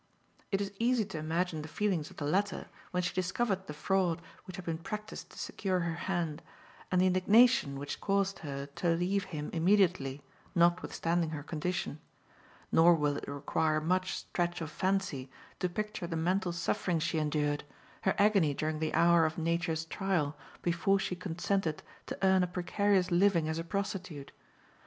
It is easy to imagine the feelings of the latter when she discovered the fraud which had been practiced to secure her hand, and the indignation which caused her to leave him immediately, notwithstanding her condition; nor will it require much stretch of fancy to picture the mental suffering she endured, her agony during the hour of nature's trial, before she consented to earn a precarious living as a prostitute.